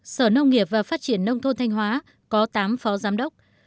sở nông nghiệp và phát triển nông thôn thanh hóa có tám phó giám đốc